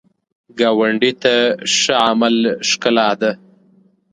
ګاونډي ته ښه عمل ښکلا ده